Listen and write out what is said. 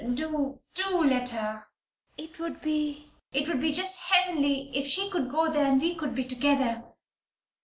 Do, do let her. It would be it would be just heavenly, if she could go there, and we could be together!"